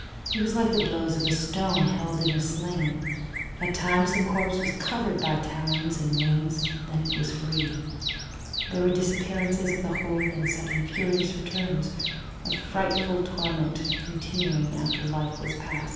It was like the blows of a stone held in a sling. At times the corpse was covered by talons and wings; then it was free. There were disappearances of the horde, then sudden furious returns a frightful torment continuing after life was past.